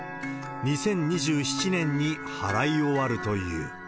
２０２７年に払い終わるという。